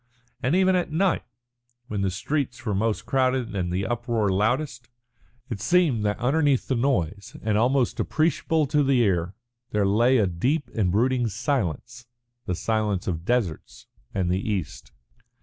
And even at night, when the streets were most crowded and the uproar loudest, it seemed that underneath the noise, and almost appreciable to the ear, there lay a deep and brooding silence, the silence of deserts and the East.